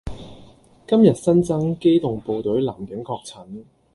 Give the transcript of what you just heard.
今日新增機動部隊男警確診